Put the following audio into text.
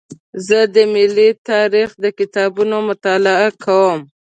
زه د ملي تاریخ د کتابونو مطالعه کوم.